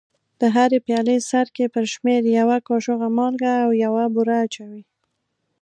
د هرې پیالې سرکې پر شمېر یوه کاشوغه مالګه او یوه بوره اچوي.